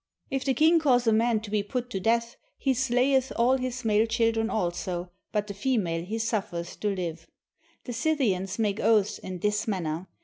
If the king cause a man to be put to death, he slayeth all his male children also, but the female he suffereth to live. The Scythians make oaths in this manner.